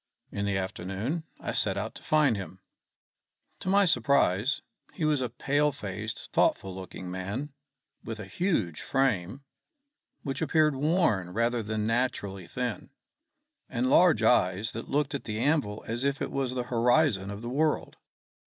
In the afternoon I set out to find him. To my surprise, he was a pale faced, thoughtful looking man, with a huge frame, which appeared worn rather than naturally thin, and large eyes that looked at the anvil as if it was the horizon of the world.